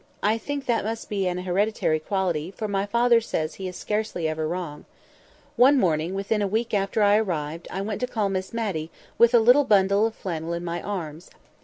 I think that must be an hereditary quality, for my father says he is scarcely ever wrong. One morning, within a week after I arrived, I went to call Miss Matty, with a little bundle of flannel in my arms.